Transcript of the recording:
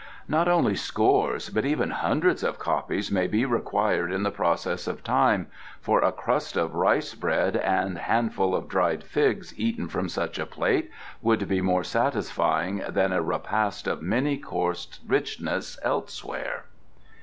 "Not only scores, but even hundreds of copies may be required in the process of time, for a crust of rice bread and handful of dried figs eaten from such a plate would be more satisfying than a repast of many coursed richness elsewhere."